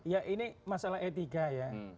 ya ini masalah etika ya